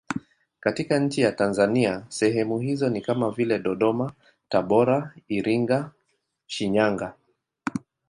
Katika nchi ya Tanzania sehemu hizo ni kama vile Dodoma, Tabora, Iringa, Shinyanga.